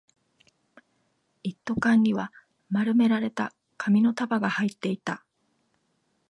一斗缶には丸められた紙の束が入っていた